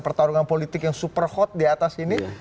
pertarungan politik yang super hot di atas ini